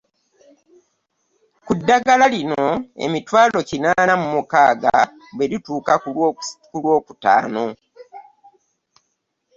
Ku ddagala lino, emitwalo kinaana mu mukaaga bwe lituuka ku Lwokutaano